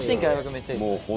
めっちゃいいですね。